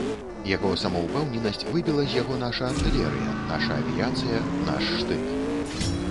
Яго самаўпэўненасць выбіла з яго наша артылерыя, наша авіяцыя, наш штык.